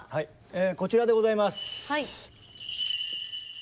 こちらでございます。